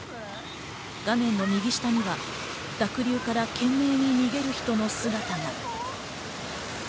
画面の右下には濁流から懸命に逃げる人の姿が。